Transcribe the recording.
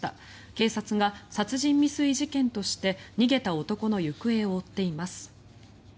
警察が殺人未遂事件として逃げた男の行方を追っています。